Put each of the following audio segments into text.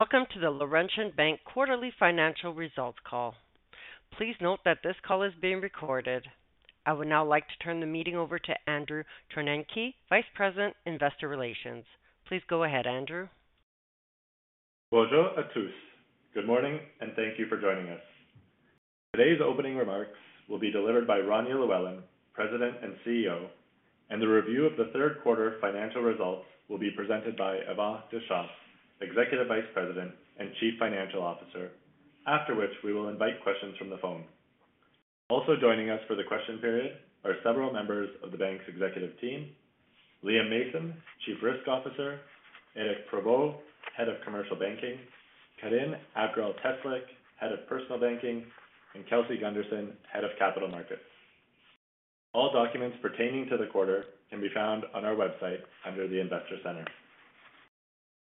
Welcome to the Laurentian Bank Quarterly Financial Results Call. Please note that this call is being recorded. I would now like to turn the meeting over to Andrew Tartaglia, Vice President, Investor Relations. Please go ahead, Andrew. Bonjour à tous. Good morning, and thank you for joining us. Today's opening remarks will be delivered by Rania Llewellyn, President and CEO, and the review of the third quarter financial results will be presented by Yvan Deschamps, Executive Vice President and Chief Financial Officer, after which we will invite questions from the phone. Also joining us for the question period are several members of the bank's executive team: Liam Mason, Chief Risk Officer, Éric Provost, Head of Commercial Banking, Karine Abgrall-Teslyk, Head of Personal Banking, and Kelsey Gunderson, Head of Capital Markets. All documents pertaining to the quarter can be found on our website under the Investor Center.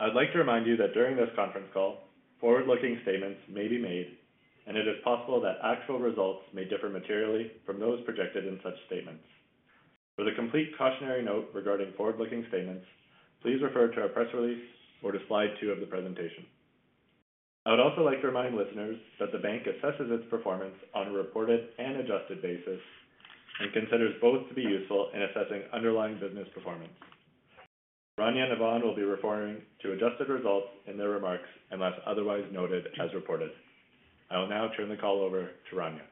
I'd like to remind you that during this conference call, forward-looking statements may be made, and it is possible that actual results may differ materially from those projected in such statements. For the complete cautionary note regarding forward-looking statements, please refer to our press release or to slide 2 of the presentation. I would also like to remind listeners that the bank assesses its performance on a reported and adjusted basis and considers both to be useful in assessing underlying business performance. Rania and Yvan will be referring to adjusted results in their remarks, unless otherwise noted as reported. I will now turn the call over to Rania.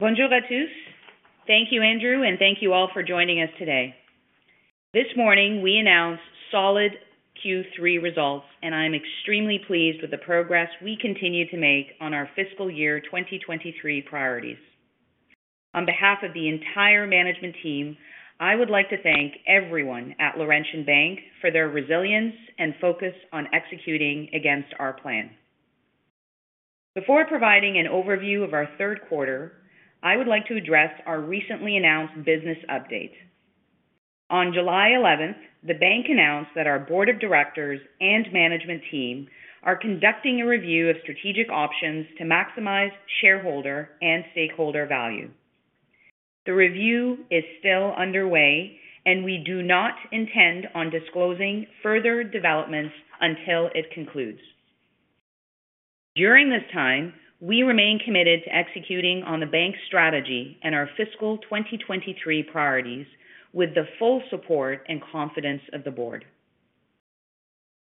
Bonjour à tous. Thank you, Andrew, and thank you all for joining us today. This morning, we announced solid Q3 results, and I'm extremely pleased with the progress we continue to make on our fiscal year 2023 priorities. On behalf of the entire management team, I would like to thank everyone at Laurentian Bank for their resilience and focus on executing against our plan. Before providing an overview of our third quarter, I would like to address our recently announced business update. On July 11, the bank announced that our board of directors and management team are conducting a review of strategic options to maximize shareholder and stakeholder value. The review is still underway, and we do not intend on disclosing further developments until it concludes. During this time, we remain committed to executing on the bank's strategy and our fiscal 2023 priorities with the full support and confidence of the board.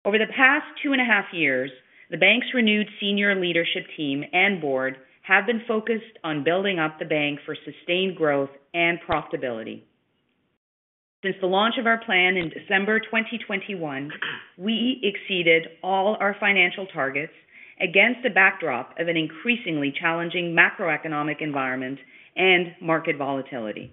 Over the past 2.5 years, the bank's renewed senior leadership team and board have been focused on building up the bank for sustained growth and profitability. Since the launch of our plan in December 2021, we exceeded all our financial targets against the backdrop of an increasingly challenging macroeconomic environment and market volatility.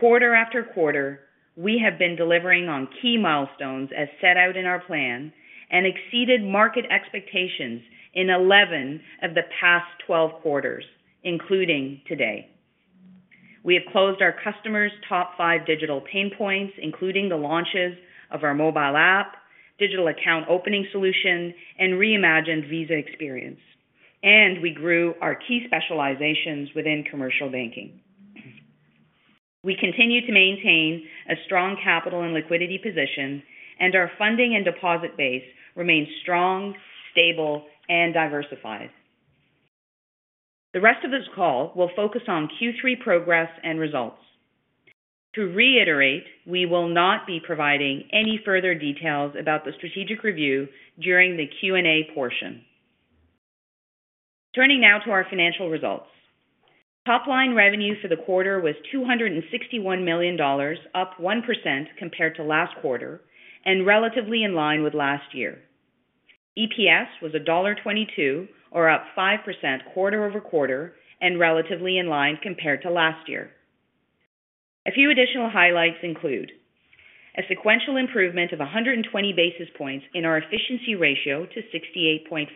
Quarter after quarter, we have been delivering on key milestones as set out in our plan and exceeded market expectations in 11 of the past 12 quarters, including today. We have closed our customers' top 5 digital pain points, including the launches of our mobile app, digital account opening solution, and reimagined Visa experience, and we grew our key specializations within commercial banking. We continue to maintain a strong capital and liquidity position, and our funding and deposit base remains strong, stable, and diversified. The rest of this call will focus on Q3 progress and results. To reiterate, we will not be providing any further details about the strategic review during the Q&A portion. Turning now to our financial results. Top-line revenue for the quarter was 261 million dollars, up 1% compared to last quarter and relatively in line with last year. EPS was dollar 1.22 or up 5% quarter-over-quarter and relatively in line compared to last year. A few additional highlights include a sequential improvement of 120 basis points in our efficiency ratio to 68.5%.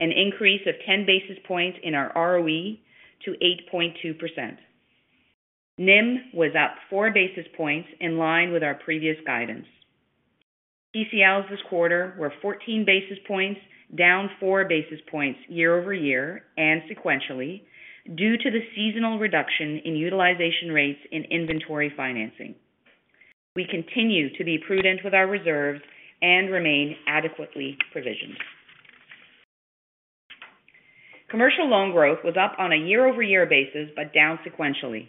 An increase of 10 basis points in our ROE to 8.2%. NIM was up 4 basis points, in line with our previous guidance. PCLs this quarter were 14 basis points, down 4 basis points year over year and sequentially due to the seasonal reduction in utilization rates in inventory financing. We continue to be prudent with our reserves and remain adequately provisioned. Commercial loan growth was up on a year-over-year basis, but down sequentially,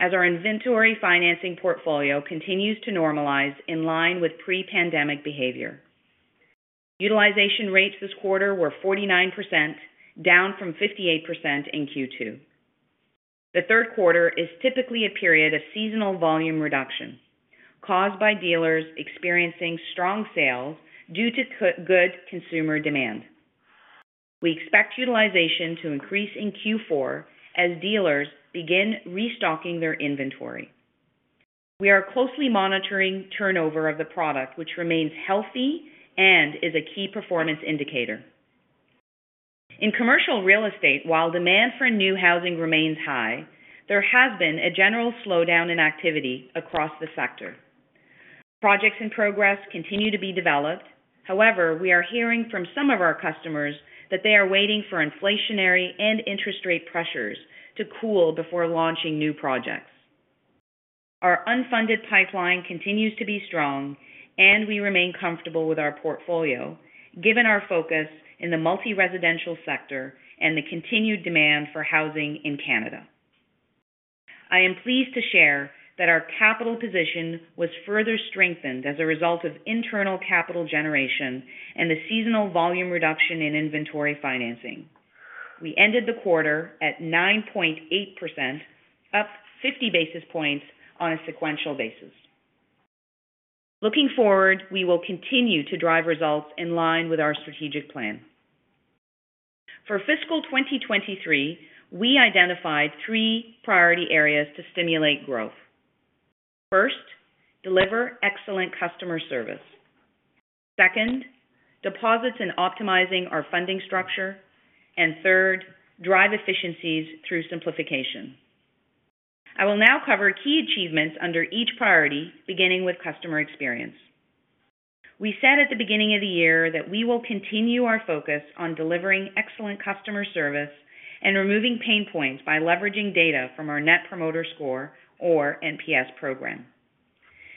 as our inventory financing portfolio continues to normalize in line with pre-pandemic behavior. Utilization rates this quarter were 49%, down from 58% in Q2. The third quarter is typically a period of seasonal volume reduction caused by dealers experiencing strong sales due to good consumer demand. We expect utilization to increase in Q4 as dealers begin restocking their inventory. We are closely monitoring turnover of the product, which remains healthy and is a key performance indicator. In commercial real estate, while demand for new housing remains high, there has been a general slowdown in activity across the sector. Projects in progress continue to be developed. However, we are hearing from some of our customers that they are waiting for inflationary and interest rate pressures to cool before launching new projects.... Our unfunded pipeline continues to be strong, and we remain comfortable with our portfolio, given our focus in the multi-residential sector and the continued demand for housing in Canada. I am pleased to share that our capital position was further strengthened as a result of internal capital generation and the seasonal volume reduction in inventory financing. We ended the quarter at 9.8%, up 50 basis points on a sequential basis. Looking forward, we will continue to drive results in line with our strategic plan. For fiscal 2023, we identified three priority areas to stimulate growth. First, deliver excellent customer service. Second, deposits and optimizing our funding structure, and third, drive efficiencies through simplification. I will now cover key achievements under each priority, beginning with customer experience. We said at the beginning of the year that we will continue our focus on delivering excellent customer service and removing pain points by leveraging data from our Net Promoter Score or NPS program.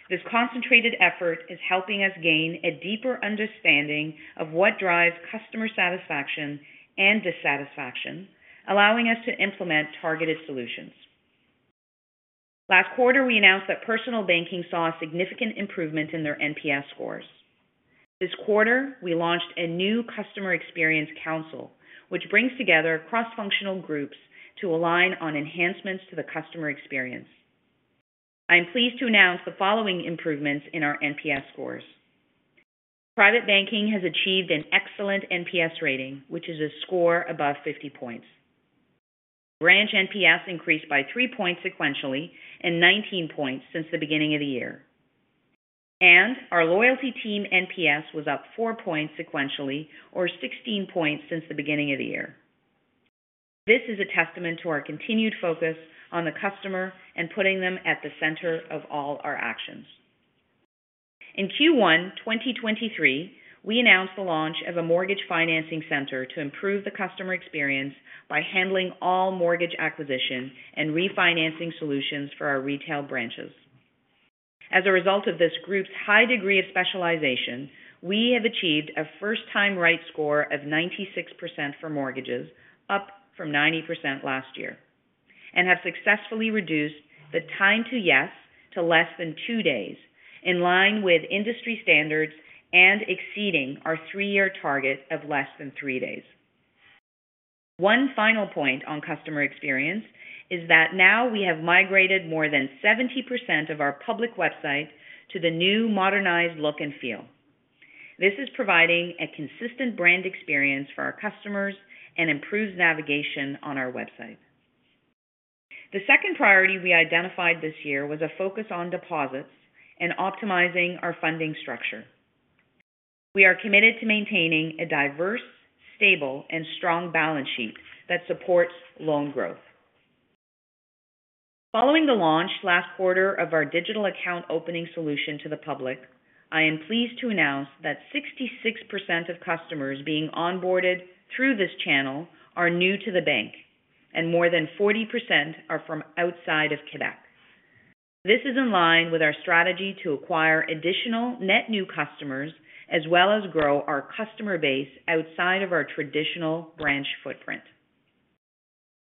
This concentrated effort is helping us gain a deeper understanding of what drives customer satisfaction and dissatisfaction, allowing us to implement targeted solutions. Last quarter, we announced that personal banking saw a significant improvement in their NPS scores. This quarter, we launched a new Customer Experience Council, which brings together cross-functional groups to align on enhancements to the customer experience. I am pleased to announce the following improvements in our NPS scores. Private banking has achieved an excellent NPS rating, which is a score above 50 points. Branch NPS increased by 3 points sequentially and 19 points since the beginning of the year. Our loyalty team NPS was up 4 points sequentially, or 16 points since the beginning of the year. This is a testament to our continued focus on the customer and putting them at the center of all our actions. In Q1 2023, we announced the launch of a mortgage financing center to improve the customer experience by handling all mortgage acquisition and refinancing solutions for our retail branches. As a result of this group's high degree of specialization, we have achieved a first time right score of 96% for mortgages, up from 90% last year, and have successfully reduced the time to yes to less than 2 days, in line with industry standards and exceeding our 3-year target of less than 3 days. One final point on customer experience is that now we have migrated more than 70% of our public website to the new modernized look and feel. This is providing a consistent brand experience for our customers and improves navigation on our website. The second priority we identified this year was a focus on deposits and optimizing our funding structure. We are committed to maintaining a diverse, stable and strong balance sheet that supports loan growth. Following the launch last quarter of our digital account opening solution to the public, I am pleased to announce that 66% of customers being onboarded through this channel are new to the bank and more than 40% are from outside of Quebec. This is in line with our strategy to acquire additional net new customers, as well as grow our customer base outside of our traditional branch footprint.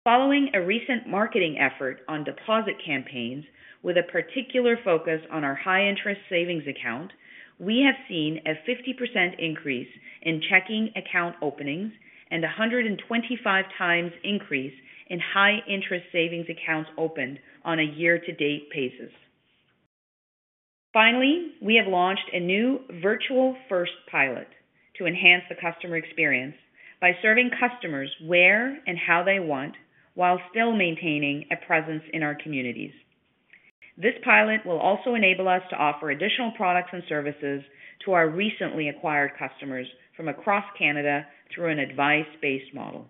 Following a recent marketing effort on deposit campaigns with a particular focus on our high interest savings account, we have seen a 50% increase in chequing account openings and a 125 times increase in high interest savings accounts opened on a year-to-date basis. Finally, we have launched a new virtual first pilot to enhance the customer experience by serving customers where and how they want, while still maintaining a presence in our communities. This pilot will also enable us to offer additional products and services to our recently acquired customers from across Canada through an advice-based model.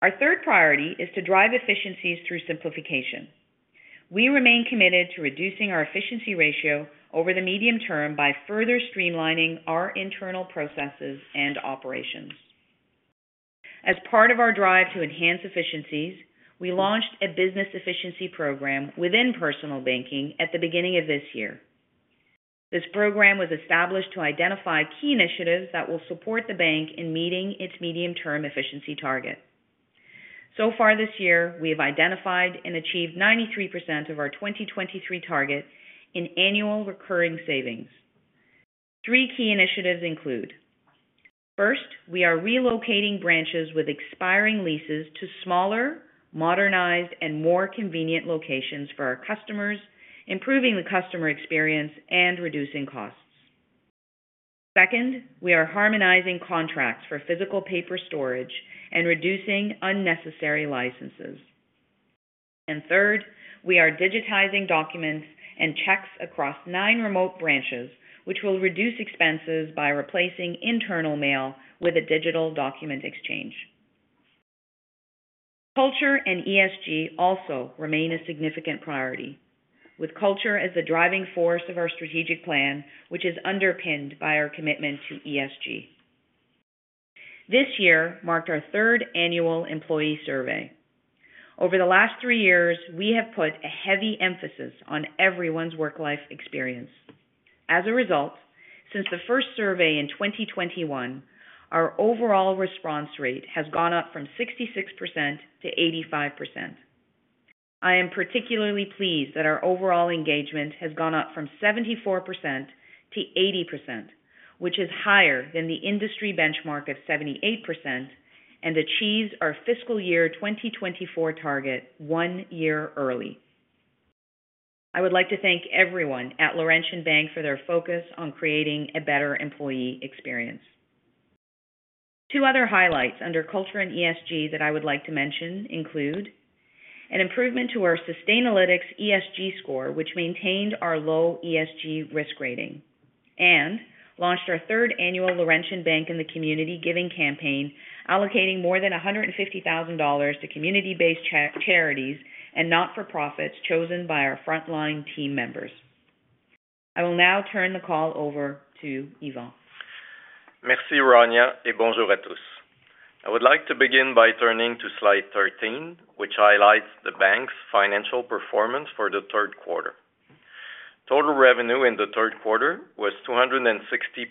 Our third priority is to drive efficiencies through simplification. We remain committed to reducing our efficiency ratio over the medium term by further streamlining our internal processes and operations. As part of our drive to enhance efficiencies, we launched a business efficiency program within personal banking at the beginning of this year. This program was established to identify key initiatives that will support the bank in meeting its medium-term efficiency target. So far this year, we have identified and achieved 93% of our 2023 target in annual recurring savings. Three key initiatives include: First, we are relocating branches with expiring leases to smaller, modernized, and more convenient locations for our customers, improving the customer experience and reducing costs. Second, we are harmonizing contracts for physical paper storage and reducing unnecessary licenses. Third, we are digitizing documents and cheques across 9 remote branches, which will reduce expenses by replacing internal mail with a digital document exchange. Culture and ESG also remain a significant priority, with culture as the driving force of our strategic plan, which is underpinned by our commitment to ESG… This year marked our third annual employee survey. Over the last three years, we have put a heavy emphasis on everyone's work life experience. As a result, since the first survey in 2021, our overall response rate has gone up from 66%-85%. I am particularly pleased that our overall engagement has gone up from 74%-80%, which is higher than the industry benchmark of 78% and achieves our fiscal year 2024 target one year early. I would like to thank everyone at Laurentian Bank for their focus on creating a better employee experience. Two other highlights under culture and ESG that I would like to mention include: an improvement to our Sustainalytics ESG score, which maintained our low ESG risk rating, and launched our third annual Laurentian Bank in the Community Giving campaign, allocating more than 150,000 dollars to community-based charities and not-for-profits chosen by our frontline team members. I will now turn the call over to Yvan. Merci, Rania, et bonjour à tous. I would like to begin by turning to slide 13, which highlights the bank's financial performance for the third quarter. Total revenue in the third quarter was 260.8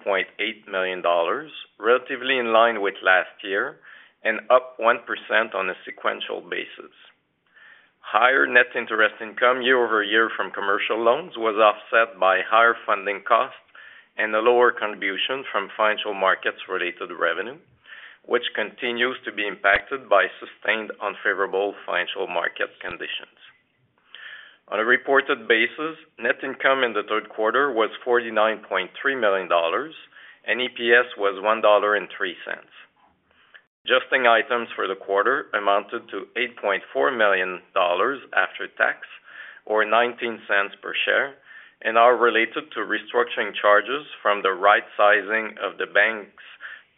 million dollars, relatively in line with last year and up 1% on a sequential basis. Higher net interest income year-over-year from commercial loans was offset by higher funding costs and a lower contribution from financial markets-related revenue, which continues to be impacted by sustained unfavorable financial market conditions. On a reported basis, net income in the third quarter was 49.3 million dollars, and EPS was 1.03 dollar. Adjusting items for the quarter amounted to 8.4 million dollars after tax, or 0.19 per share, and are related to restructuring charges from the right-sizing of the bank's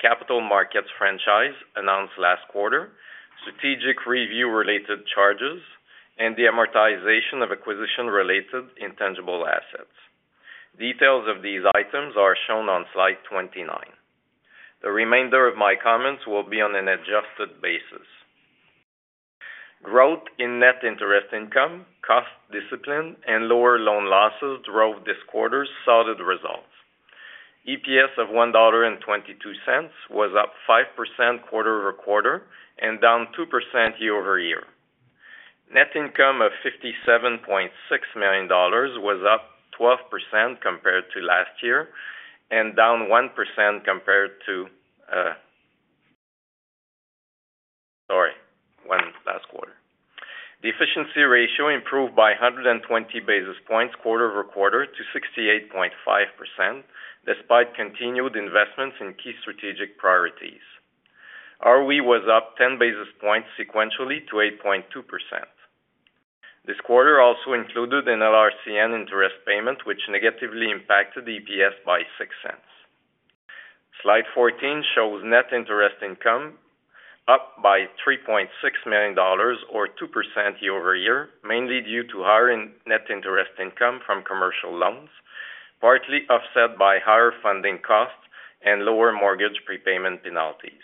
capital markets franchise announced last quarter, strategic review related charges, and the amortization of acquisition-related intangible assets. Details of these items are shown on slide 29. The remainder of my comments will be on an adjusted basis. Growth in net interest income, cost discipline, and lower loan losses drove this quarter's solid results. EPS of 1.22 dollar was up 5% quarter-over-quarter and down 2% year-over-year. Net income of 57.6 million dollars was up 12% compared to last year and down 1% compared to last quarter. The efficiency ratio improved by 120 basis points quarter-over-quarter to 68.5%, despite continued investments in key strategic priorities. ROE was up 10 basis points sequentially to 8.2%. This quarter also included an LRCN interest payment, which negatively impacted EPS by 0.06. Slide 14 shows net interest income up by 3.6 million dollars or 2% year-over-year, mainly due to higher in net interest income from commercial loans, partly offset by higher funding costs and lower mortgage prepayment penalties.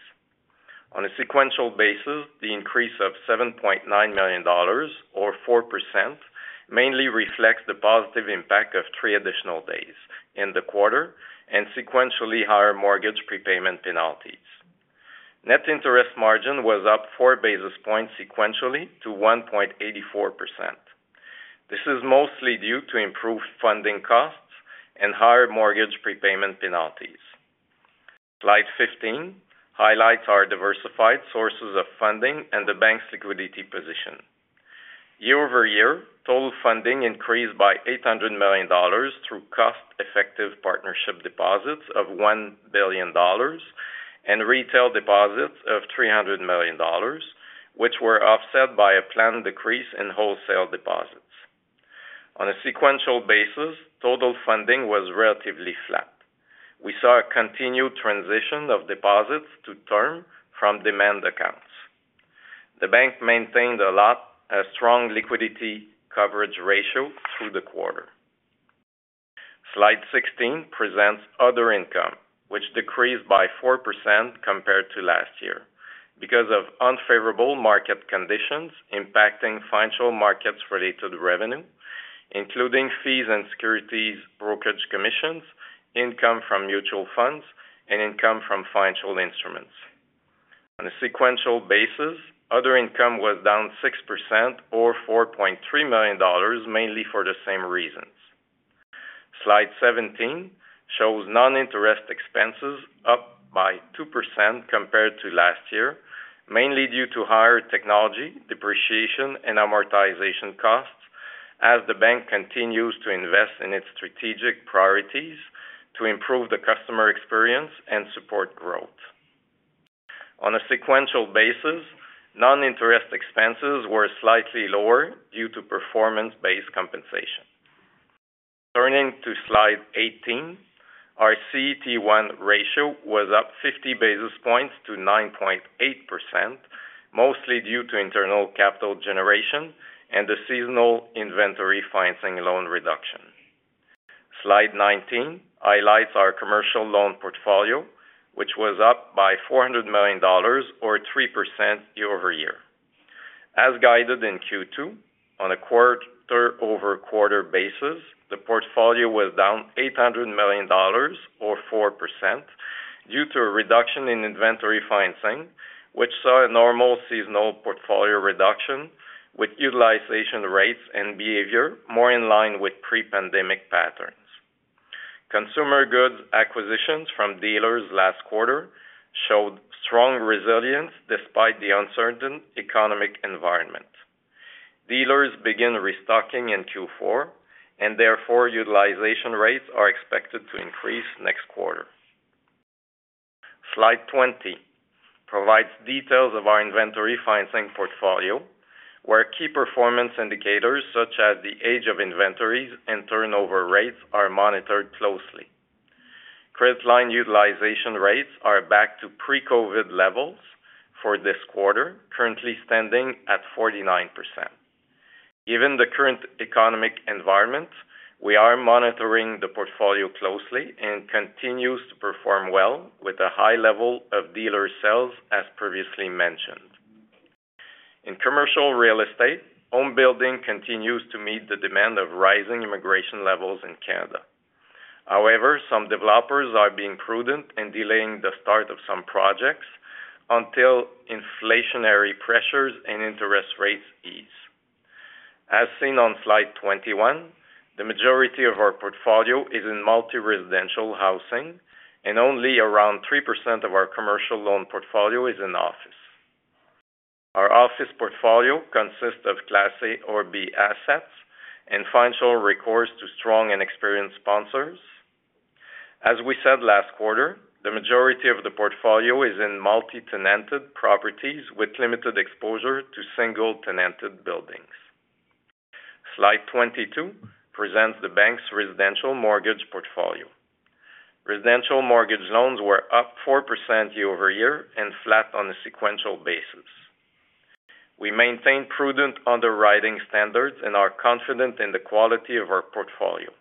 On a sequential basis, the increase of 7.9 million dollars, or 4%, mainly reflects the positive impact of 3 additional days in the quarter and sequentially higher mortgage prepayment penalties. Net interest margin was up 4 basis points sequentially to 1.84%. This is mostly due to improved funding costs and higher mortgage prepayment penalties. Slide 15 highlights our diversified sources of funding and the bank's liquidity position. Year-over-year, total funding increased by 800 million dollars through cost-effective partnership deposits of 1 billion dollars and retail deposits of 300 million dollars, which were offset by a planned decrease in wholesale deposits. On a sequential basis, total funding was relatively flat. We saw a continued transition of deposits to term from demand accounts. The bank maintained a strong liquidity coverage ratio through the quarter. Slide 16 presents other income, which decreased by 4% compared to last year because of unfavorable market conditions impacting financial markets related to revenue, including fees and securities, brokerage commissions, income from mutual funds, and income from financial instruments. On a sequential basis, other income was down 6% or 4.3 million dollars, mainly for the same reasons. Slide 17 shows non-interest expenses up by 2% compared to last year, mainly due to higher technology, depreciation, and amortization costs as the bank continues to invest in its strategic priorities to improve the customer experience and support growth. On a sequential basis, non-interest expenses were slightly lower due to performance-based compensation. Turning to Slide 18, our CET1 ratio was up 50 basis points to 9.8%, mostly due to internal capital generation and the seasonal inventory financing loan reduction. Slide 19 highlights our commercial loan portfolio, which was up by 400 million dollars or 3% year-over-year. As guided in Q2, on a quarter-over-quarter basis, the portfolio was down 800 million dollars or 4% due to a reduction in inventory financing, which saw a normal seasonal portfolio reduction with utilization rates and behavior more in line with pre-pandemic patterns. Consumer goods acquisitions from dealers last quarter showed strong resilience despite the uncertain economic environment. Dealers begin restocking in Q4, and therefore utilization rates are expected to increase next quarter. Slide 20 provides details of our inventory financing portfolio, where key performance indicators such as the age of inventories and turnover rates are monitored closely. Credit line utilization rates are back to pre-COVID levels for this quarter, currently standing at 49%. Given the current economic environment, we are monitoring the portfolio closely and continues to perform well with a high level of dealer sales, as previously mentioned. In commercial real estate, home building continues to meet the demand of rising immigration levels in Canada. However, some developers are being prudent in delaying the start of some projects until inflationary pressures and interest rates ease. As seen on slide 21, the majority of our portfolio is in multi-residential housing, and only around 3% of our commercial loan portfolio is in office. Our office portfolio consists of Class A or B assets and financial recourse to strong and experienced sponsors. As we said last quarter, the majority of the portfolio is in multi-tenanted properties with limited exposure to single-tenanted buildings. Slide 22 presents the bank's residential mortgage portfolio. Residential mortgage loans were up 4% year-over-year and flat on a sequential basis. We maintain prudent underwriting standards and are confident in the quality of our portfolio,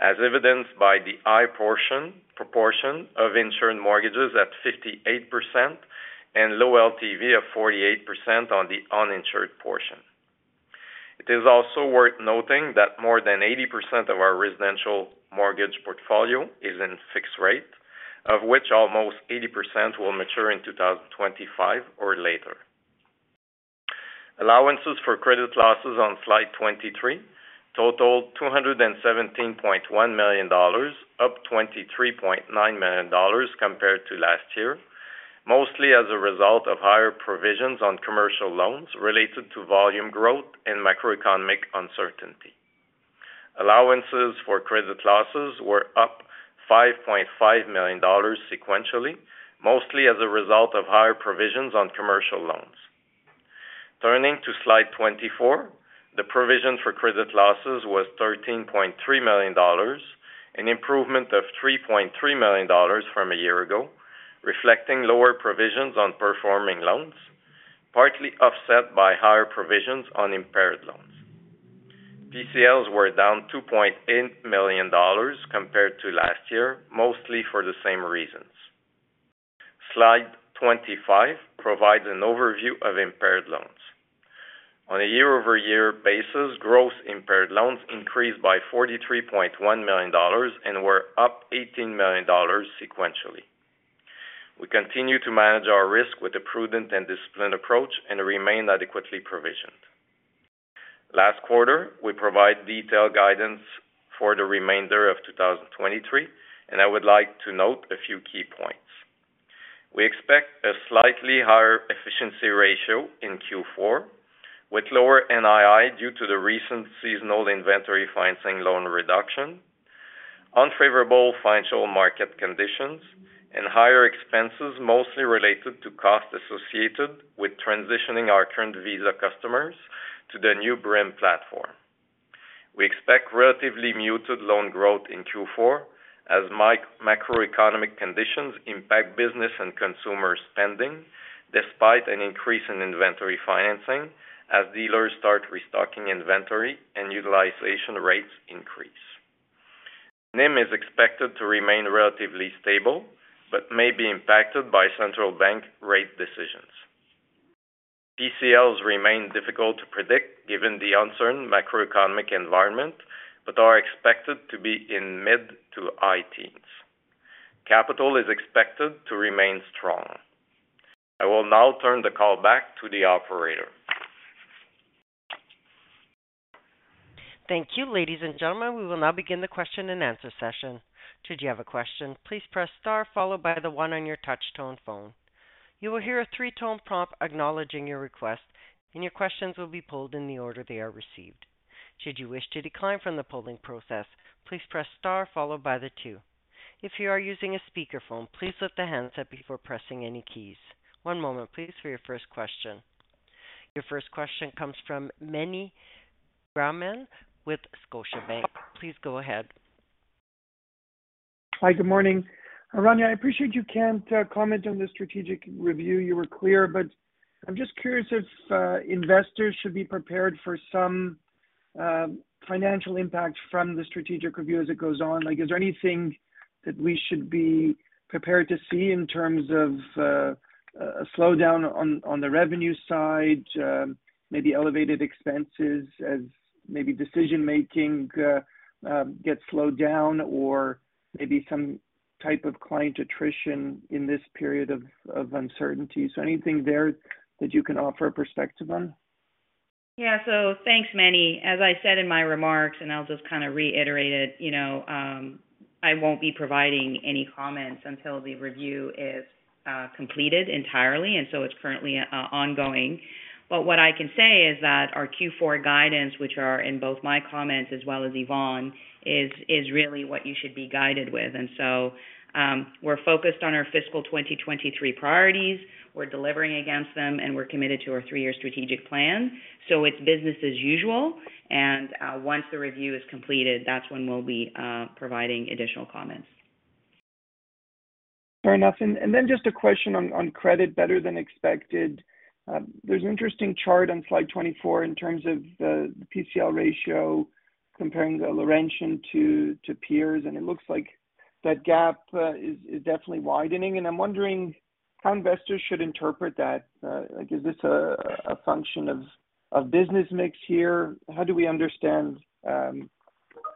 as evidenced by the high proportion of insured mortgages at 58% and low LTV of 48% on the uninsured portion. It is also worth noting that more than 80% of our residential mortgage portfolio is in fixed rate, of which almost 80% will mature in 2025 or later. Allowances for credit losses on slide 23 totaled 217.1 million dollars, up 23.9 million dollars compared to last year, mostly as a result of higher provisions on commercial loans related to volume growth and macroeconomic uncertainty. Allowances for credit losses were up 5.5 million dollars sequentially, mostly as a result of higher provisions on commercial loans. Turning to slide 24, the provision for credit losses was 13.3 million dollars, an improvement of 3.3 million dollars from a year ago, reflecting lower provisions on performing loans, partly offset by higher provisions on impaired loans. PCLs were down 2.8 million dollars compared to last year, mostly for the same reasons. Slide 25 provides an overview of impaired loans. On a year-over-year basis, gross impaired loans increased by 43.1 million dollars and were up 18 million dollars sequentially. We continue to manage our risk with a prudent and disciplined approach and remain adequately provisioned. Last quarter, we provide detailed guidance for the remainder of 2023, and I would like to note a few key points. We expect a slightly higher efficiency ratio in Q4, with lower NII due to the recent seasonal inventory financing loan reduction, unfavorable financial market conditions, and higher expenses, mostly related to costs associated with transitioning our current Visa customers to the new Brim platform. We expect relatively muted loan growth in Q4 as macroeconomic conditions impact business and consumer spending, despite an increase in inventory financing as dealers start restocking inventory and utilization rates increase. NIM is expected to remain relatively stable, but may be impacted by central bank rate decisions. PCLs remain difficult to predict given the uncertain macroeconomic environment, but are expected to be in mid to high teens. Capital is expected to remain strong. I will now turn the call back to the operator. Thank you. Ladies and gentlemen, we will now begin the question and answer session. Should you have a question, please press star followed by the one on your touch-tone phone. You will hear a three-tone prompt acknowledging your request, and your questions will be polled in the order they are received. Should you wish to decline from the polling process, please press star followed by the two. If you are using a speakerphone, please lift the handset before pressing any keys. One moment, please, for your first question. Your first question comes from Meny Grauman with Scotiabank. Please go ahead. Hi, good morning. Rania, I appreciate you can't comment on the strategic review. You were clear, but I'm just curious if investors should be prepared for some financial impact from the strategic review as it goes on? Like, is there anything that we should be prepared to see in terms of a slowdown on the revenue side, maybe elevated expenses as maybe decision-making gets slowed down, or maybe some type of client attrition in this period of uncertainty. So anything there that you can offer a perspective on? Yeah. So thanks, Meny. As I said in my remarks, and I'll just kind of reiterate it, you know, I won't be providing any comments until the review is completed entirely, and so it's currently ongoing. But what I can say is that our Q4 guidance, which are in both my comments as well as Yvan, is really what you should be guided with. And so, we're focused on our fiscal 2023 priorities. We're delivering against them, and we're committed to our three-year strategic plan. So it's business as usual, and once the review is completed, that's when we'll be providing additional comments. Fair enough. And then just a question on credit better than expected. There's an interesting chart on slide 24 in terms of the PCL ratio comparing the Laurentian to peers, and it looks like that gap is definitely widening. And I'm wondering how investors should interpret that. Like, is this a function of business mix here? How do we understand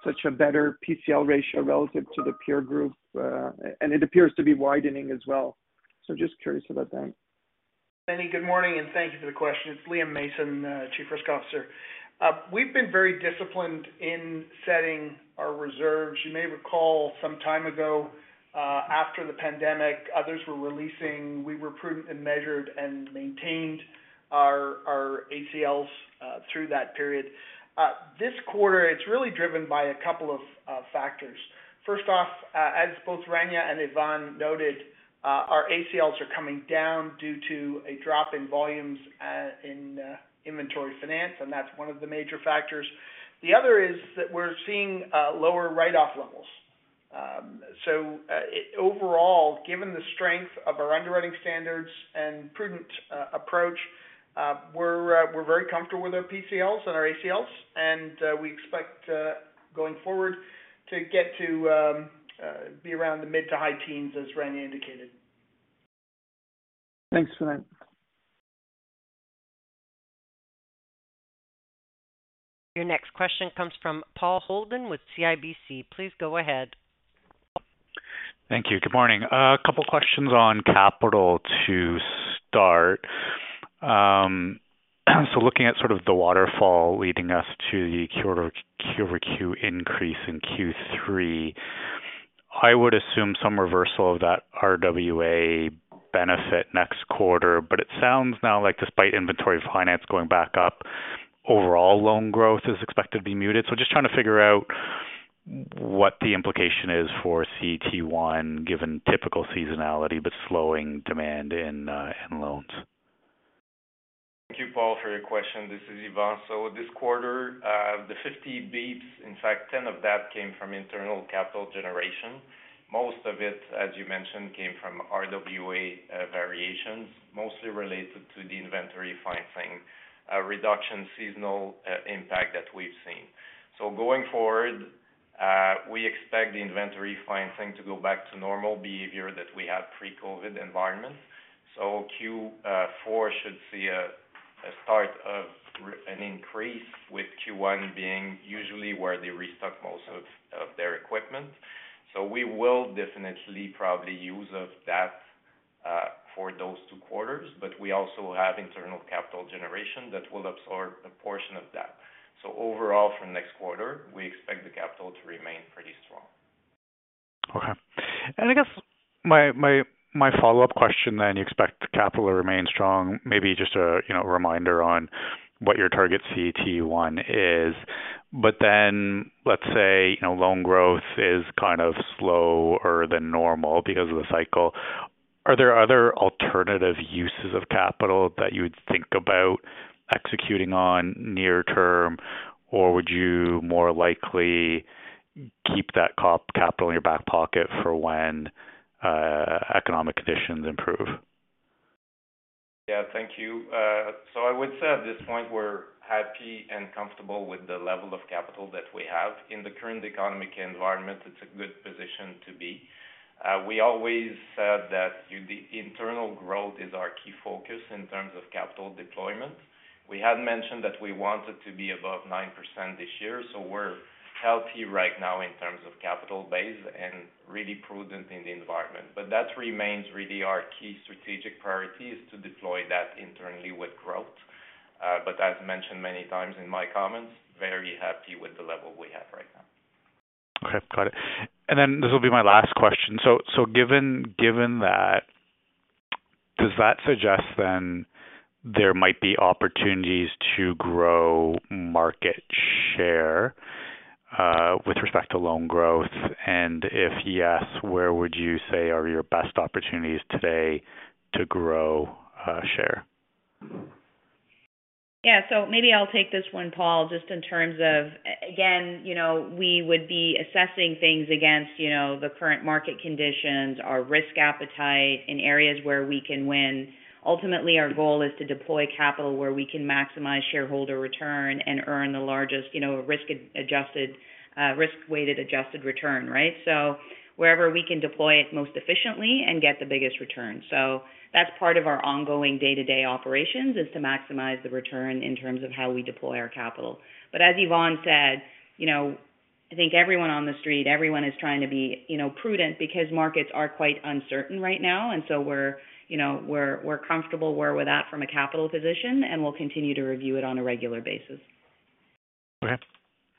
such a better PCL ratio relative to the peer group? And it appears to be widening as well. So just curious about that. Meny, good morning, and thank you for the question. It's Liam Mason, Chief Risk Officer. We've been very disciplined in setting our reserves. You may recall some time ago, after the pandemic, others were releasing, we were prudent and measured and maintained our, our ACLs, through that period. This quarter, it's really driven by a couple of factors. First off, as both Rania and Yvan noted, our ACLs are coming down due to a drop in volumes, in inventory finance, and that's one of the major factors. The other is that we're seeing lower write-off levels. So, overall, given the strength of our underwriting standards and prudent approach, we're very comfortable with our PCLs and our ACLs, and we expect, going forward, to get to be around the mid to high teens, as Rania indicated. Thanks for that. Your next question comes from Paul Holden with CIBC. Please go ahead. Thank you. Good morning. A couple of questions on capital to start. So looking at sort of the waterfall leading us to the quarter-Q over Q increase in Q3, I would assume some reversal of that RWA benefit next quarter, but it sounds now like despite inventory finance going back up, overall loan growth is expected to be muted. So just trying to figure out what the implication is for CET1, given typical seasonality, but slowing demand in loans. Thank you, Paul, for your question. This is Yvan. So this quarter, the 50 basis points, in fact, 10 of that came from internal capital generation. Most of it, as you mentioned, came from RWA variations, mostly related to the inventory financing reduction, seasonal impact that we've seen. So going forward, we expect the inventory financing to go back to normal behavior that we had pre-COVID environment. So Q4 should see a start of an increase, with Q1 being usually where they restock most of their equipment. So we will definitely probably use of that for those two quarters, but we also have internal capital generation that will absorb a portion of that. So overall, for next quarter, we expect the capital to remain pretty strong. Okay. I guess my follow-up question, then, you expect the capital to remain strong. Maybe just a you know reminder on what your target CET1 is. But then, let's say, you know, loan growth is kind of slower than normal because of the cycle. Are there other alternative uses of capital that you would think about executing on near term, or would you more likely keep that capital in your back pocket for when economic conditions improve? Yeah, thank you. So I would say at this point, we're happy and comfortable with the level of capital that we have. In the current economic environment, it's a good position to be. We always said that our internal growth is our key focus in terms of capital deployment. We had mentioned that we wanted to be above 9% this year, so we're healthy right now in terms of capital base and really prudent in the environment. But that remains really our key strategic priority, is to deploy that internally with growth. But as mentioned many times in my comments, very happy with the level we have right now. Okay, got it. And then this will be my last question. So, given that, does that suggest then there might be opportunities to grow market share with respect to loan growth? And if yes, where would you say are your best opportunities today to grow share?... Yeah, so maybe I'll take this one, Paul, just in terms of, again, you know, we would be assessing things against, you know, the current market conditions, our risk appetite in areas where we can win. Ultimately, our goal is to deploy capital where we can maximize shareholder return and earn the largest, you know, risk adjusted, risk-weighted adjusted return, right? So wherever we can deploy it most efficiently and get the biggest return. So that's part of our ongoing day-to-day operations, is to maximize the return in terms of how we deploy our capital. But as Yvan said, you know, I think everyone on the street, everyone is trying to be, you know, prudent because markets are quite uncertain right now, and so we're, you know, we're comfortable where we're at from a capital position, and we'll continue to review it on a regular basis. Okay.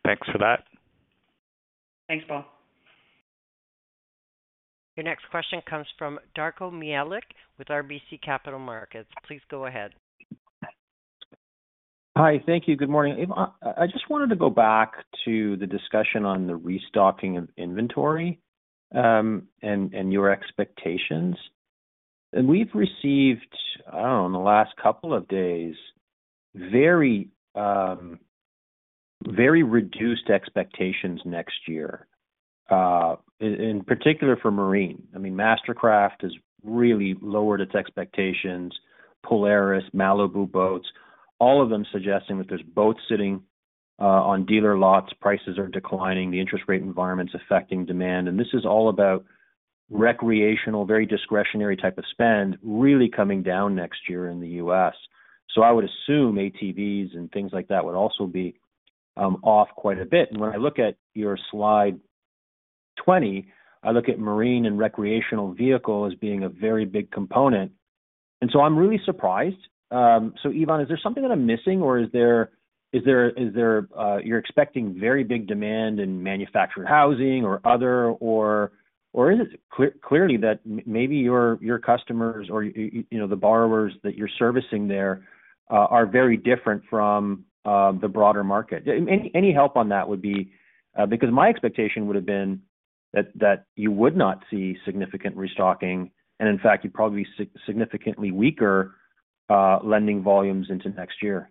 Thanks for that. Thanks, Paul. Your next question comes from Darko Mihelic with RBC Capital Markets. Please go ahead. Hi, thank you. Good morning. Yvan, I just wanted to go back to the discussion on the restocking of inventory and your expectations. We've received, I don't know, in the last couple of days, very, very reduced expectations next year in particular for marine. I mean, MasterCraft has really lowered its expectations, Polaris, Malibu Boats, all of them suggesting that there's boats sitting on dealer lots, prices are declining, the interest rate environment's affecting demand, and this is all about recreational, very discretionary type of spend, really coming down next year in the U.S. So I would assume ATVs and things like that would also be off quite a bit. And when I look at your slide 20, I look at marine and recreational vehicle as being a very big component, and so I'm really surprised. So Yvan, is there something that I'm missing, or is there, is there, is there -- you're expecting very big demand in manufactured housing or other, or, or is it clearly that maybe your, your customers or you know, the borrowers that you're servicing there, are very different from the broader market? Any help on that would be... Because my expectation would have been that, that you would not see significant restocking, and in fact, you'd probably be significantly weaker lending volumes into next year.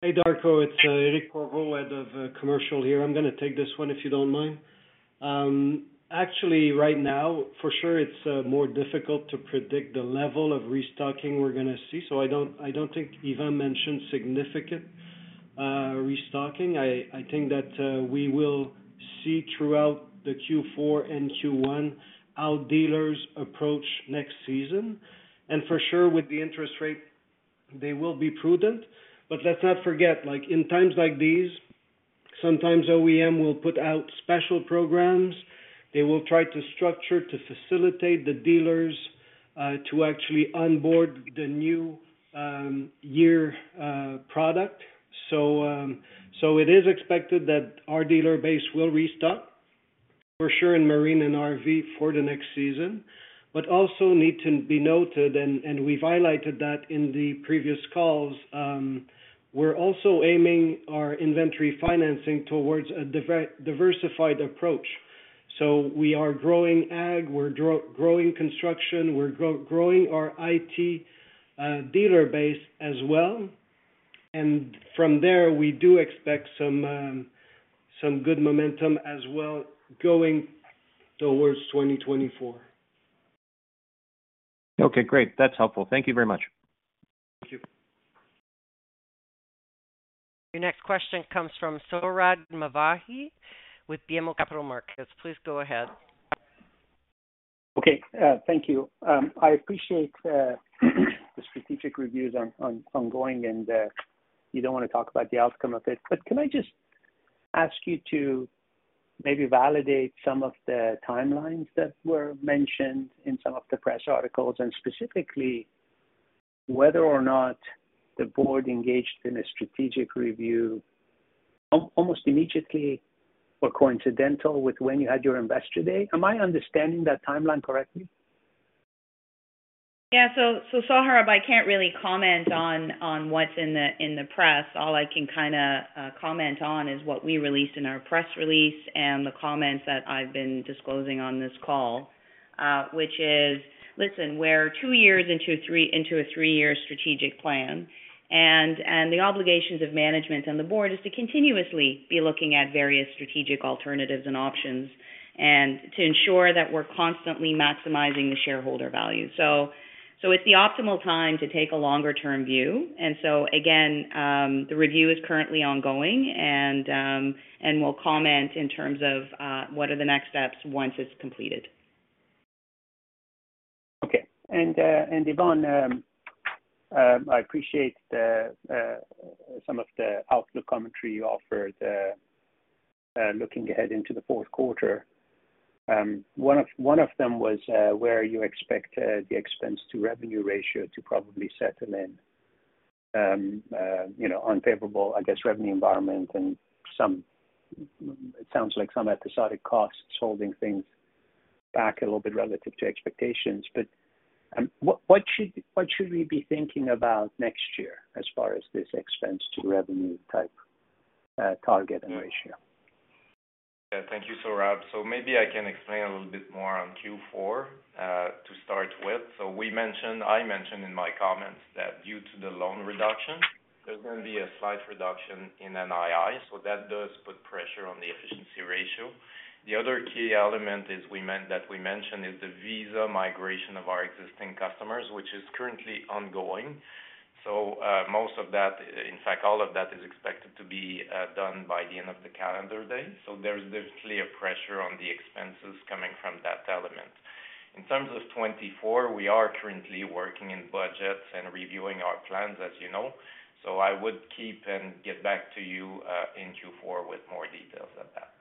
Hey, Darko, it's Éric Provost, head of commercial here. I'm gonna take this one, if you don't mind. Actually, right now, for sure, it's more difficult to predict the level of restocking we're gonna see, so I don't think Yvan mentioned significant restocking. I think that we will see throughout the Q4 and Q1 how dealers approach next season. And for sure, with the interest rate, they will be prudent. But let's not forget, like, in times like these, sometimes OEM will put out special programs. They will try to structure to facilitate the dealers to actually onboard the new year product. So it is expected that our dealer base will restock, for sure in marine and RV for the next season. But also need to be noted, and we've highlighted that in the previous calls, we're also aiming our inventory financing towards a diversified approach. So we are growing ag, we're growing construction, we're growing our IT dealer base as well. And from there, we do expect some good momentum as well, going towards 2024. Okay, great. That's helpful. Thank you very much. Thank you. Your next question comes from Sohrab Movahedi with BMO Capital Markets. Please go ahead. Okay, thank you. I appreciate the strategic reviews ongoing, and you don't want to talk about the outcome of it. But can I just ask you to maybe validate some of the timelines that were mentioned in some of the press articles, and specifically, whether or not the board engaged in a strategic review almost immediately or coincidental with when you had your investor day? Am I understanding that timeline correctly? Yeah, so, Sohrab, I can't really comment on what's in the press. All I can kinda comment on is what we released in our press release and the comments that I've been disclosing on this call, which is: Listen, we're two years into a three-year strategic plan, and the obligations of management and the board is to continuously be looking at various strategic alternatives and options, and to ensure that we're constantly maximizing the shareholder value. So it's the optimal time to take a longer-term view. And so again, the review is currently ongoing and we'll comment in terms of what are the next steps once it's completed. Okay. And, and Yvan, I appreciate the, some of the outlook commentary you offered, looking ahead into the fourth quarter. One of, one of them was, where you expect, the expense to revenue ratio to probably settle in, you know, unfavorable, I guess, revenue environment and some, it sounds like some episodic costs holding things back a little bit relative to expectations. But, what, what should, what should we be thinking about next year as far as this expense to revenue type, target and ratio?... Yeah, thank you, Sohrab. So maybe I can explain a little bit more on Q4, to start with. So we mentioned, I mentioned in my comments that due to the loan reduction, there's going to be a slight reduction in NII, so that does put pressure on the efficiency ratio. The other key element is that we mentioned is the Visa migration of our existing customers, which is currently ongoing. So, most of that, in fact, all of that is expected to be done by the end of the calendar day. So there's definitely a pressure on the expenses coming from that element. In terms of 2024, we are currently working in budgets and reviewing our plans, as you know. So I would keep and get back to you, in Q4 with more details on that.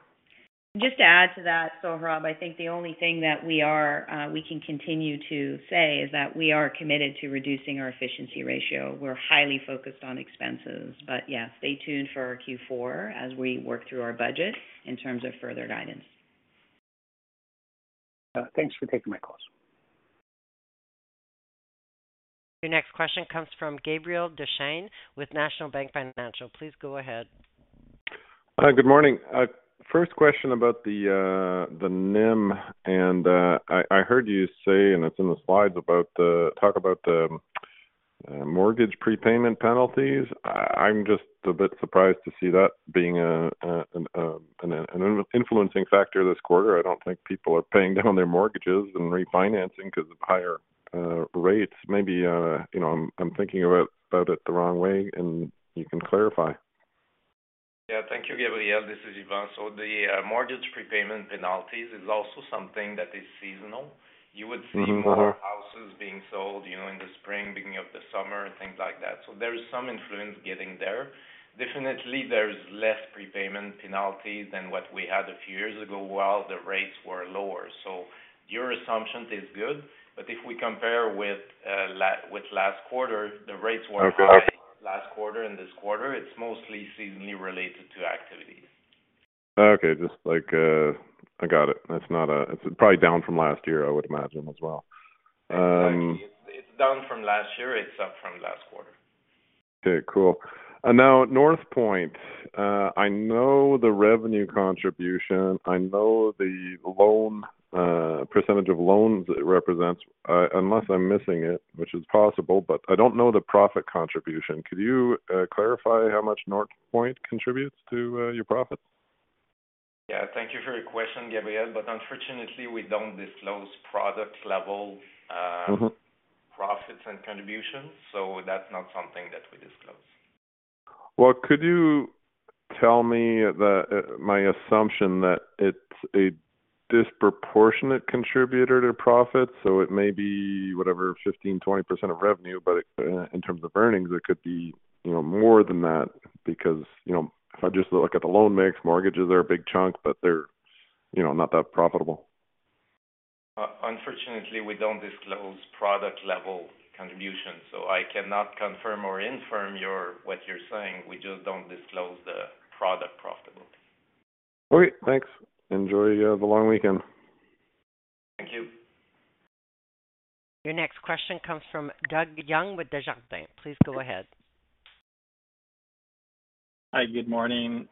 Just to add to that, Sohrab, I think the only thing that we are, we can continue to say is that we are committed to reducing our efficiency ratio. We're highly focused on expenses, but yeah, stay tuned for our Q4 as we work through our budget in terms of further guidance. Thanks for taking my calls. Your next question comes from Gabriel Dechaine with National Bank Financial. Please go ahead. Hi, good morning. First question about the NIM, and I heard you say, and it's in the slides about the mortgage prepayment penalties. I'm just a bit surprised to see that being an influencing factor this quarter. I don't think people are paying down their mortgages and refinancing because of higher rates. Maybe, you know, I'm thinking about it the wrong way and you can clarify. Yeah, thank you, Gabriel. This is Yvan. So the mortgage prepayment penalties is also something that is seasonal. Mm-hmm. You would see more houses being sold, you know, in the spring, beginning of the summer, and things like that. So there is some influence getting there. Definitely, there's less prepayment penalty than what we had a few years ago, while the rates were lower. So your assumption is good, but if we compare with last quarter, the rates were- Okay. High last quarter and this quarter, it's mostly seasonally related to activities. Okay. Just like, I got it. That's not. It's probably down from last year, I would imagine as well. Exactly. It's down from last year. It's up from last quarter. Okay, cool. And now, Northpoint. I know the revenue contribution, I know the loan percentage of loans it represents, unless I'm missing it, which is possible, but I don't know the profit contribution. Could you clarify how much Northpoint contributes to your profits? Yeah, thank you for your question, Gabriel, but unfortunately, we don't disclose product level. Mm-hmm... profits and contributions, so that's not something that we disclose. Well, could you tell me my assumption that it's a disproportionate contributor to profits? So it may be whatever, 15%-20% of revenue, but in terms of earnings, it could be, you know, more than that because, you know, if I just look at the loan mix, mortgages are a big chunk, but they're, you know, not that profitable. Unfortunately, we don't disclose product level contribution, so I cannot confirm or deny what you're saying. We just don't disclose the product profitability. Great, thanks. Enjoy the long weekend. Thank you. Your next question comes from Doug Young with Desjardins. Please go ahead. Hi, good morning.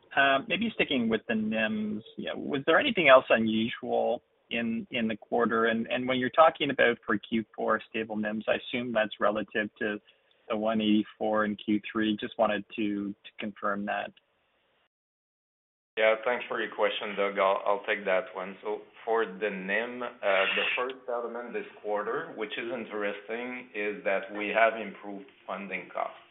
Maybe sticking with the NIMs, yeah, was there anything else unusual in the quarter? And when you're talking about for Q4, stable NIMs, I assume that's relative to the 184 in Q3. Just wanted to confirm that. Yeah, thanks for your question, Doug. I'll take that one. So for the NIM, the first element this quarter, which is interesting, is that we have improved funding costs.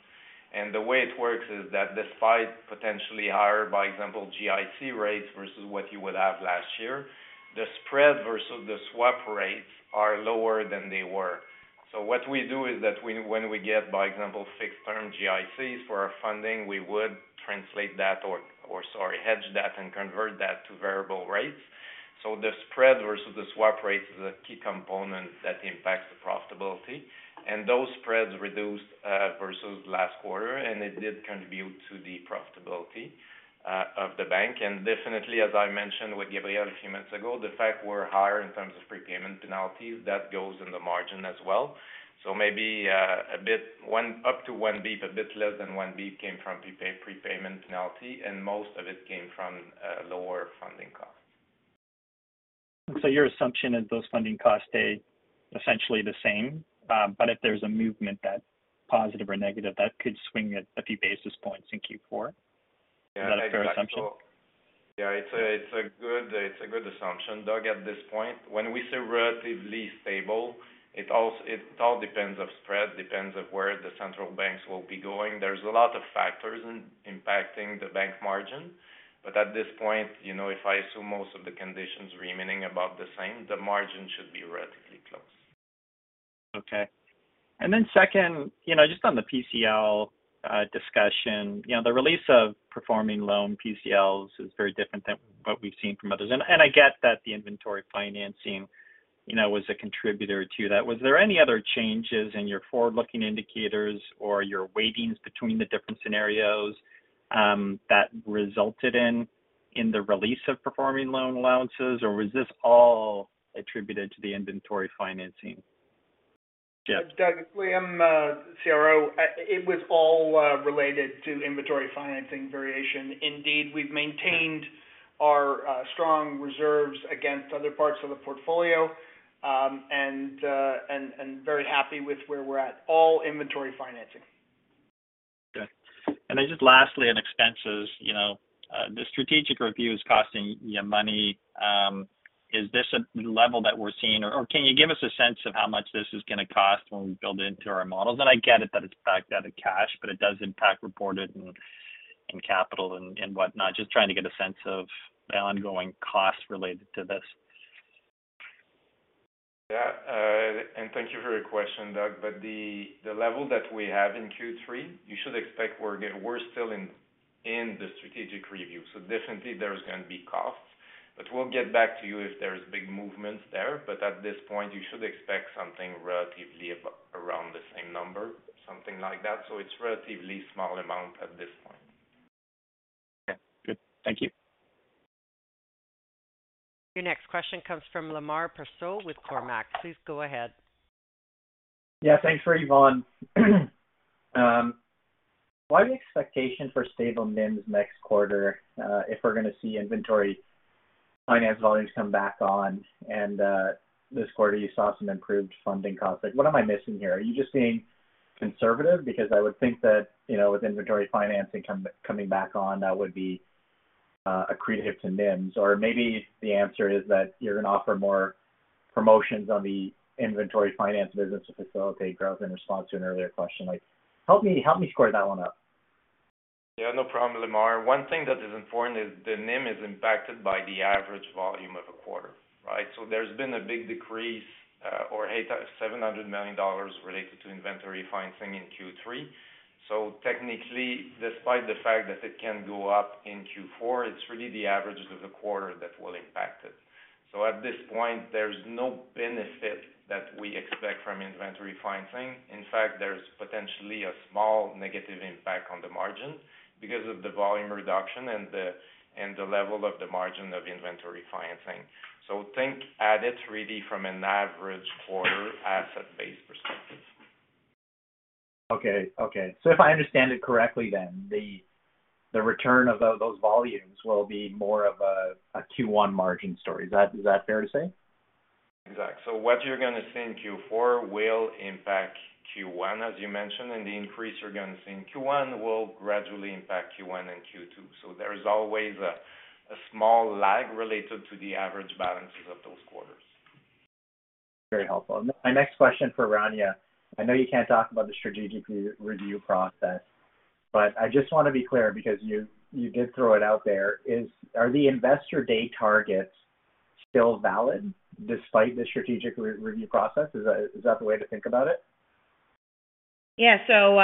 And the way it works is that despite potentially higher, by example, GIC rates versus what you would have last year, the spread versus the swap rates are lower than they were. So what we do is that when we get, by example, fixed-term GICs for our funding, we would translate that or sorry, hedge that and convert that to variable rates. So the spread versus the swap rate is a key component that impacts the profitability, and those spreads reduced versus last quarter, and it did contribute to the profitability of the bank. Definitely, as I mentioned with Gabriel a few minutes ago, the fact we're higher in terms of prepayment penalties, that goes in the margin as well. So maybe a bit one up to one bit, a bit less than one bit came from prepayment penalty, and most of it came from lower funding costs. So your assumption is those funding costs stay essentially the same, but if there's a movement that positive or negative, that could swing it a few basis points in Q4? Yeah. Is that a fair assumption? Yeah, it's a good assumption, Doug, at this point. When we say relatively stable, it all depends on spread, depends on where the central banks will be going. There's a lot of factors impacting the bank margin, but at this point, you know, if I assume most of the conditions remaining about the same, the margin should be relatively close. Okay. And then second, you know, just on the PCL discussion, you know, the release of performing loan PCLs is very different than what we've seen from others. And I get that the inventory financing, you know, was a contributor to that. Was there any other changes in your forward-looking indicators or your weightings between the different scenarios, that resulted in the release of performing loan allowances, or was this all attributed to the inventory financing?... Doug, Liam, CRO. It was all related to inventory financing variation. Indeed, we've maintained our strong reserves against other parts of the portfolio, and very happy with where we're at. All inventory financing. Okay. And then just lastly, on expenses, you know, the strategic review is costing you money. Is this a level that we're seeing? Or can you give us a sense of how much this is going to cost when we build into our models? And I get it that it's backed out of cash, but it does impact reported and capital and whatnot. Just trying to get a sense of the ongoing costs related to this. Yeah, and thank you for your question, Doug. But the level that we have in Q3, you should expect we're still in the strategic review, so definitely there's going to be costs. But we'll get back to you if there's big movements there. But at this point, you should expect something relatively around the same number, something like that. So it's relatively small amount at this point. Okay, good. Thank you. Your next question comes from Lemar Persaud with Cormark. Please go ahead. Yeah, thanks for Yvan. Why the expectation for stable NIMS next quarter, if we're going to see inventory finance volumes come back on and, this quarter, you saw some improved funding costs? Like, what am I missing here? Are you just being conservative? Because I would think that, you know, with inventory financing coming back on, that would be accretive to NIMS. Or maybe the answer is that you're going to offer more promotions on the inventory finance business to facilitate growth in response to an earlier question. Like, help me, help me square that one up. Yeah, no problem, Lamar. One thing that is important is the NIM is impacted by the average volume of a quarter, right? So there's been a big decrease, seven hundred million dollars related to inventory financing in Q3. So technically, despite the fact that it can go up in Q4, it's really the averages of the quarter that will impact it. So at this point, there's no benefit that we expect from inventory financing. In fact, there's potentially a small negative impact on the margin because of the volume reduction and the level of the margin of inventory financing. So think at it really from an average quarter asset-based perspective. Okay. Okay. So if I understand it correctly, then, the return of those volumes will be more of a Q1 margin story. Is that fair to say? Exactly. So what you're going to see in Q4 will impact Q1, as you mentioned, and the increase you're going to see in Q1 will gradually impact Q1 and Q2. So there is always a small lag related to the average balances of those quarters. Very helpful. My next question for Rania. I know you can't talk about the strategic review process, but I just want to be clear, because you, you did throw it out there. Are the investor day targets still valid despite the strategic review process? Is that, is that the way to think about it? Yeah. So,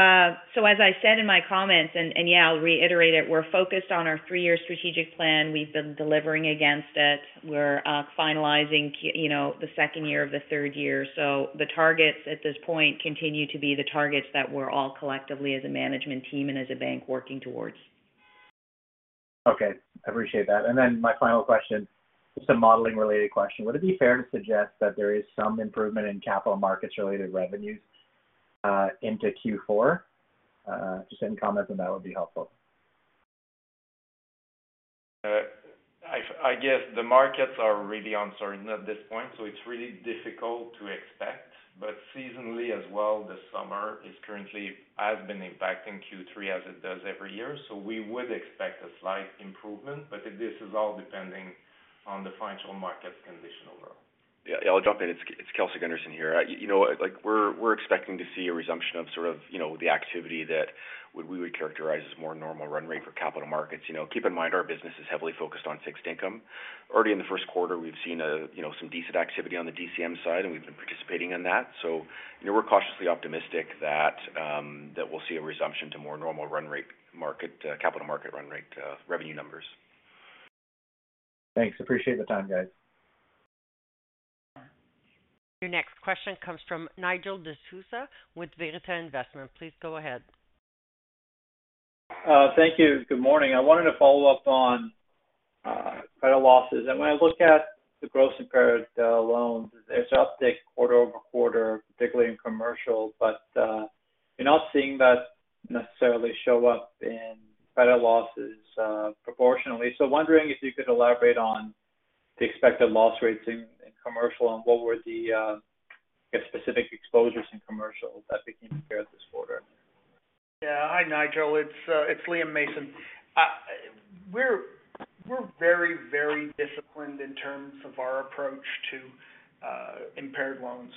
as I said in my comments, and yeah, I'll reiterate it, we're focused on our three-year strategic plan. We've been delivering against it. We're finalizing, you know, the second year of the third year. So the targets at this point continue to be the targets that we're all collectively as a management team and as a bank working towards. Okay, I appreciate that. And then my final question, just a modeling-related question: Would it be fair to suggest that there is some improvement in capital markets-related revenues, into Q4? Just any comments on that would be helpful. I guess the markets are really uncertain at this point, so it's really difficult to expect. But seasonally as well, the summer is currently—has been impacting Q3 as it does every year, so we would expect a slight improvement, but this is all depending on the financial markets condition overall. Yeah, I'll jump in. It's, it's Kelsey Gunderson here. You know, like, we're, we're expecting to see a resumption of sort of, you know, the activity that we would characterize as more normal run rate for capital markets. You know, keep in mind, our business is heavily focused on fixed income. Already in the first quarter, we've seen a, you know, some decent activity on the DCM side, and we've been participating in that. So, you know, we're cautiously optimistic that, that we'll see a resumption to more normal run rate market, capital market run rate, revenue numbers. Thanks. Appreciate the time, guys. Your next question comes from Nigel D'Souza with Veritas Investment. Please go ahead. Thank you. Good morning. I wanted to follow up on credit losses. And when I look at the gross impaired loans, there's an uptick quarter-over-quarter, particularly in commercial, but you're not seeing that necessarily show up in credit losses proportionally. So wondering if you could elaborate on the expected loss rates in commercial and what were the specific exposures in commercial that became impaired this quarter? Yeah. Hi, Nigel. It's Liam Mason. We're very, very disciplined in terms of our approach to impaired loans.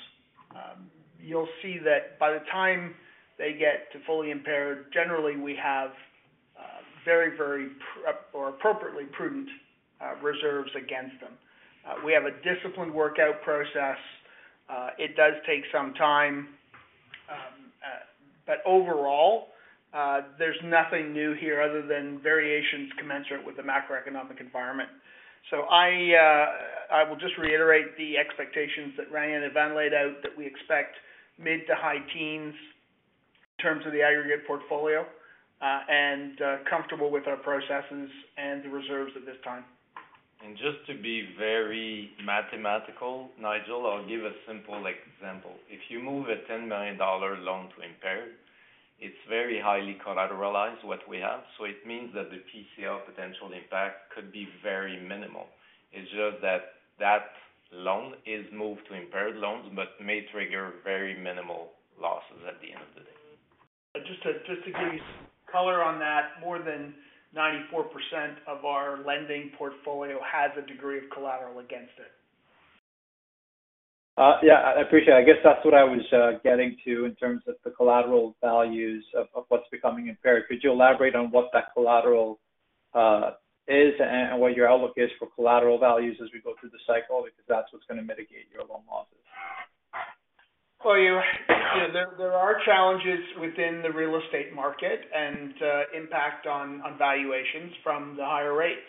You'll see that by the time they get to fully impaired, generally, we have very, very or appropriately prudent reserves against them. We have a disciplined workout process. It does take some time, but overall, there's nothing new here other than variations commensurate with the macroeconomic environment. So I will just reiterate the expectations that Rania and Van laid out, that we expect mid to high teens-... in terms of the aggregate portfolio, and comfortable with our processes and the reserves at this time. Just to be very mathematical, Nigel, I'll give a simple example. If you move a 10 million dollar loan to impaired, it's very highly collateralized what we have. So it means that the PCL potential impact could be very minimal. It's just that, that loan is moved to impaired loans, but may trigger very minimal losses at the end of the day. Just to give you color on that, more than 94% of our lending portfolio has a degree of collateral against it. Yeah, I appreciate it. I guess that's what I was getting to in terms of the collateral values of what's becoming impaired. Could you elaborate on what that collateral is, and what your outlook is for collateral values as we go through the cycle? Because that's what's going to mitigate your loan losses. Well, you know, there are challenges within the real estate market and impact on valuations from the higher rates.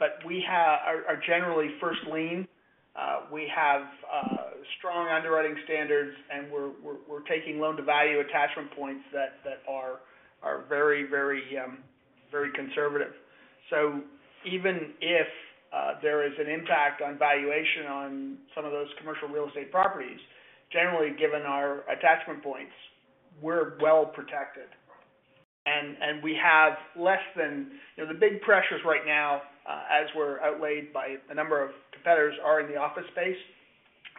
But we are generally first lien. We have strong underwriting standards, and we're taking loan-to-value attachment points that are very, very conservative. So even if there is an impact on valuation on some of those commercial real estate properties, generally, given our attachment points, we're well protected. We have less than... You know, the big pressures right now, as we're outlaid by a number of competitors, are in the office space.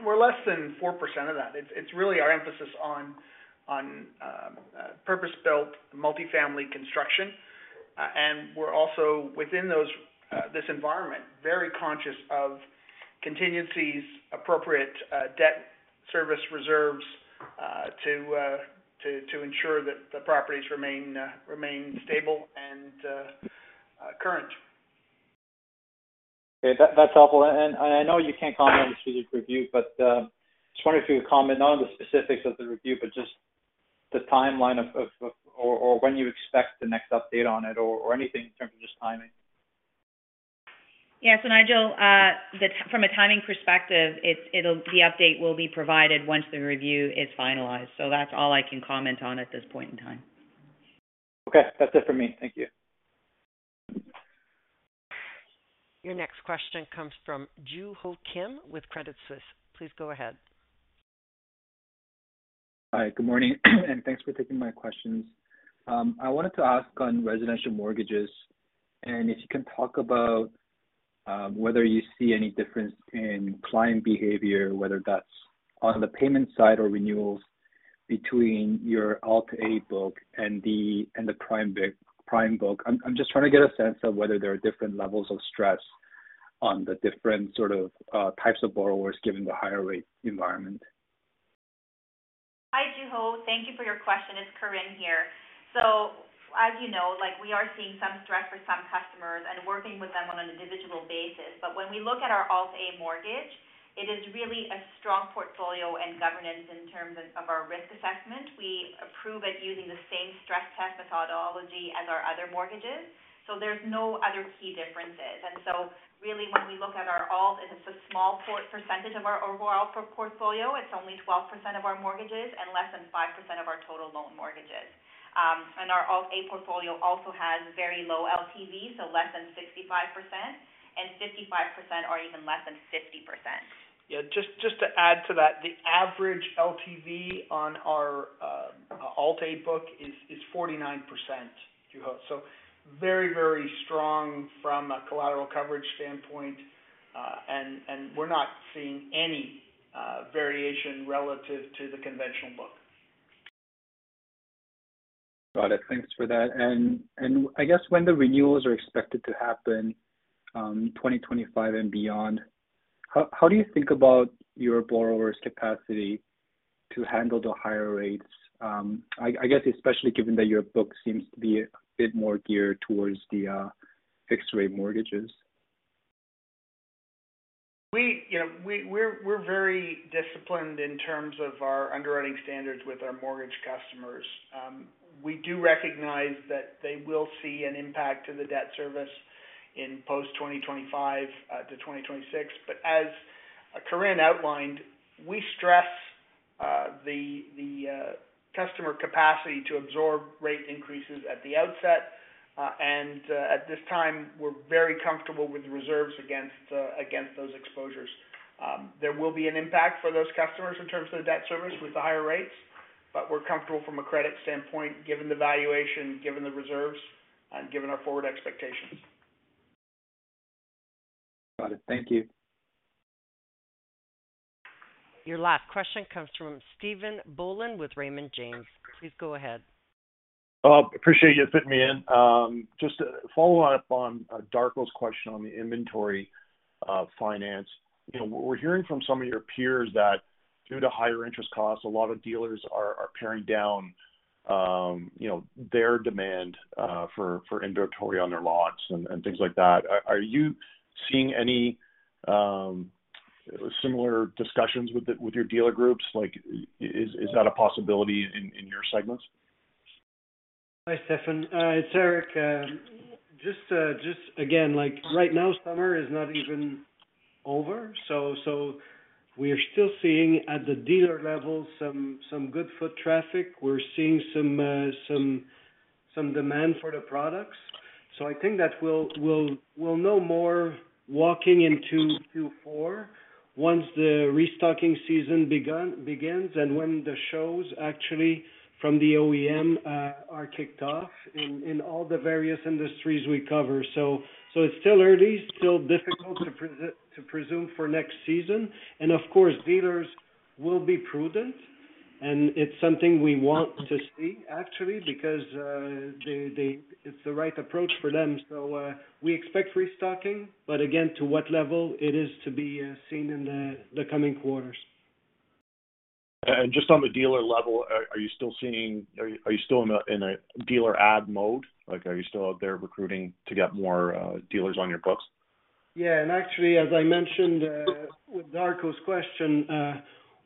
We're less than 4% of that. It's really our emphasis on purpose-built multifamily construction. And we're also, within those, this environment, very conscious of contingencies, appropriate debt service reserves to ensure that the properties remain stable and current. Okay, that's helpful. And I know you can't comment on the strategic review, but just wondering if you would comment, not on the specifics of the review, but just the timeline or when you expect the next update on it, or anything in terms of just timing. Yes, so Nigel, from a timing perspective, the update will be provided once the review is finalized. So that's all I can comment on at this point in time. Okay. That's it for me. Thank you. Your next question comes from Joo Ho Kim with Credit Suisse. Please go ahead. Hi, good morning, and thanks for taking my questions. I wanted to ask on residential mortgages, and if you can talk about whether you see any difference in client behavior, whether that's on the payment side or renewals between your Alt-A book and the prime big-prime book. I'm just trying to get a sense of whether there are different levels of stress on the different sort of types of borrowers, given the higher rate environment. Hi, Joo Ho. Thank you for your question. It's Karine here. So as you know, like, we are seeing some stress for some customers and working with them on an individual basis. But when we look at our Alt-A mortgage, it is really a strong portfolio and governance in terms of our risk assessment. We approve it using the same stress test methodology as our other mortgages, so there's no other key differences. And so really when we look at our Alt, it's a small percentage of our overall portfolio. It's only 12% of our mortgages and less than 5% of our total loan mortgages. And our Alt-A portfolio also has very low LTV, so less than 65%, and 55% are even less than 50%. Yeah, just to add to that, the average LTV on our Alt-A book is 49%, Joo Ho. So very, very strong from a collateral coverage standpoint. And we're not seeing any variation relative to the conventional book. Got it. Thanks for that. And I guess when the renewals are expected to happen in 2025 and beyond, how do you think about your borrowers' capacity to handle the higher rates? I guess, especially given that your book seems to be a bit more geared towards the fixed-rate mortgages. You know, we're very disciplined in terms of our underwriting standards with our mortgage customers. We do recognize that they will see an impact to the debt service in post-2025 to 2026. But as Karine outlined, we stress the customer capacity to absorb rate increases at the outset. And at this time, we're very comfortable with the reserves against those exposures. There will be an impact for those customers in terms of the debt service with the higher rates, but we're comfortable from a credit standpoint, given the valuation, given the reserves, and given our forward expectations. Got it. Thank you. Your last question comes from Stephen Boland with Raymond James. Please go ahead. Appreciate you fitting me in. Just to follow up on Darko's question on the inventory finance. You know, we're hearing from some of your peers that due to higher interest costs, a lot of dealers are paring down their demand for inventory on their lots and things like that. Are you seeing any similar discussions with your dealer groups? Like, is that a possibility in your segments?... Hi, Stephen. It's Éric. Just again, like, right now, summer is not even over, so we are still seeing at the dealer level some good foot traffic. We're seeing some demand for the products. So I think that we'll know more walking into 2024 once the restocking season begins, and when the shows actually from the OEM are kicked off in all the various industries we cover. So it's still early, still difficult to presume for next season. And of course, dealers will be prudent, and it's something we want to see, actually, because it's the right approach for them. So we expect restocking, but again, to what level it is to be seen in the coming quarters. Just on the dealer level, are you still in a dealer add mode? Like, are you still out there recruiting to get more dealers on your books? Yeah, and actually, as I mentioned, with Darko's question,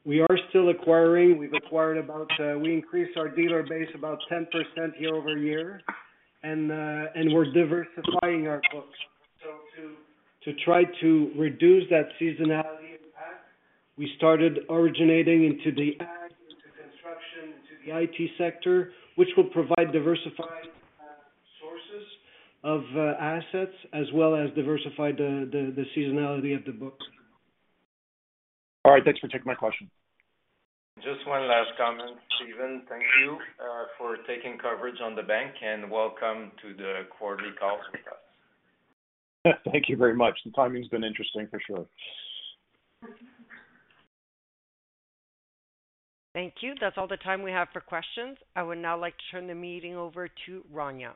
we are still acquiring. We've acquired about, we increased our dealer base about 10% year-over-year, and, and we're diversifying our books. So to, to try to reduce that seasonality impact, we started originating into the ag, into construction, into the IT sector, which will provide diversified, sources of, assets as well as diversify the, the, the seasonality of the book. All right. Thanks for taking my question. Just one last comment, Stephen. Thank you, for taking coverage on the bank, and welcome to the quarterly call with us. Thank you very much. The timing's been interesting, for sure. Thank you. That's all the time we have for questions. I would now like to turn the meeting over to Rania.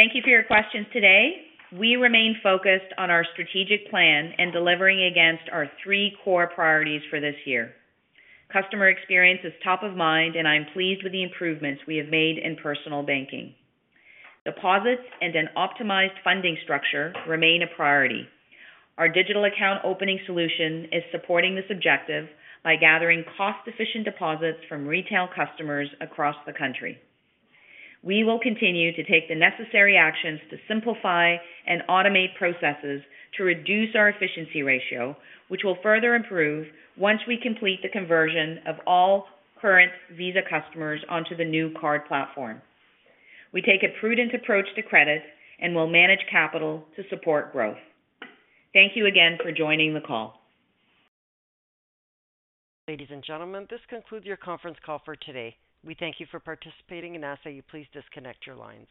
Thank you for your questions today. We remain focused on our strategic plan and delivering against our three core priorities for this year. Customer experience is top of mind, and I'm pleased with the improvements we have made in personal banking. Deposits and an optimized funding structure remain a priority. Our digital account opening solution is supporting this objective by gathering cost-efficient deposits from retail customers across the country. We will continue to take the necessary actions to simplify and automate processes to reduce our efficiency ratio, which will further improve once we complete the conversion of all current Visa customers onto the new card platform. We take a prudent approach to credit and will manage capital to support growth. Thank you again for joining the call. Ladies and gentlemen, this concludes your conference call for today. We thank you for participating and ask that you please disconnect your lines.